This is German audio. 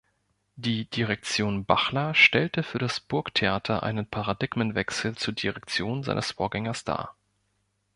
Die Direktion Bachler stellte für das Burgtheater einen Paradigmenwechsel zur Direktion seines Vorgängers dar.